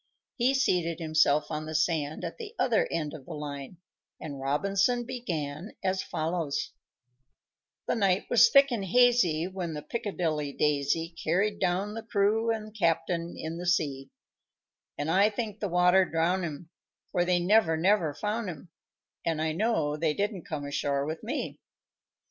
He seated himself on the sand at the other end of the line, and Robinson began as follows: _The night was thick and hazy When the "Piccadilly Daisy" Carried down the crew and captain in the sea; And I think the water drowned 'em; For they never, never found 'em, And I know they didn't come ashore with me.